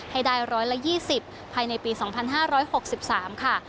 ให้ได้๑๒๐ภายในปี๒๕๖๓ค่ะ